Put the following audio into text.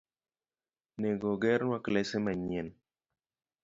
Nego ogernwa klese manyien.